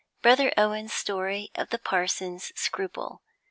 BROTHER OWEN'S STORY of THE PARSON'S SCRUPLE.